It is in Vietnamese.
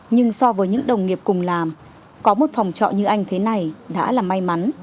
nhưng so với những đồng nghiệp cùng làm có một phòng trọ như anh thế này đã là may mắn